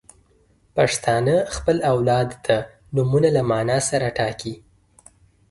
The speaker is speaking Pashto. • پښتانه خپل اولاد ته نومونه له معنا سره ټاکي.